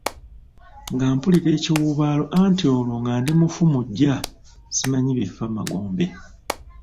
Nga mpulira ekiwuubaalo anti olwo nga ndi mufu muggya simanyi bifa magombe.